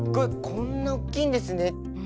こんなおっきいんですね。